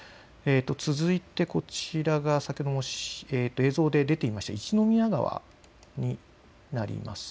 続いてこちらが先ほど映像で出ていた一宮川になります。